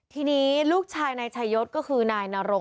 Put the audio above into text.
ทีนี้ลูกชายนายชายศก็คือนายนรง